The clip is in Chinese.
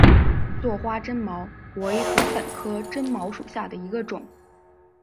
座花针茅为禾本科针茅属下的一个种。